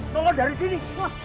tolong dari sini